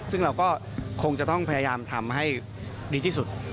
ซึ่งเราก็คงจะต้องพยายามทำให้ดีที่สุด